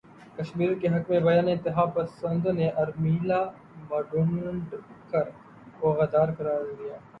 کشمیریوں کے حق میں بیان انتہا پسندوں نے ارمیلا ماٹونڈکر کو غدار قرار دے دیا